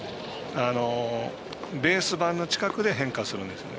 ベース板の近くで変化するんですね。